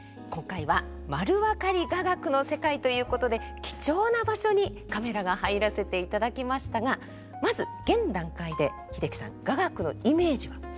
今回は「まるわかり雅楽の世界」ということで貴重な場所にカメラが入らせていただきましたがまず現段階で英樹さん雅楽のイメージは？